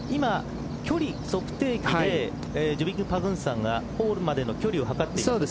距離測定器でジュビック・パグンサンがホールまでの距離を測っています。